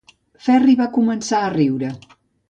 Ferri va començar a riure.